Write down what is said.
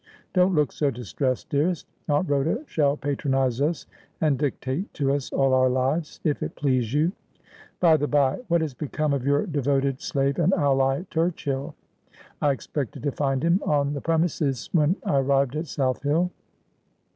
Don't look so distressed, dearest. Aunt Rhoda shall patronise us, and dictate to us all our lives, if it please you. By the bye, what has become of your devoted slave and ally, Turchill ? I expected to find him on the pre mises when I arrived at South Hill.'